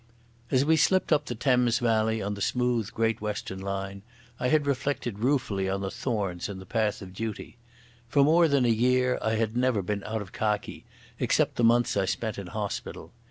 As we slipped up the Thames valley on the smooth Great Western line I had reflected ruefully on the thorns in the path of duty. For more than a year I had never been out of khaki, except the months I spent in hospital.